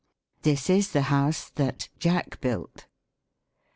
" This is the hoiise that Jack built."